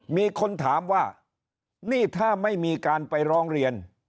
มีคนถามว่านี่ถ้าไม่มีการไปร้องเรียน